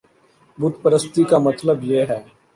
بت پرستی کا مطلب یہ ہے